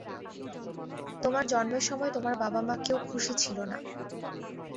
তোমার জন্মের সময় তোমার বাবা-মা কেউ খুশি ছিল না।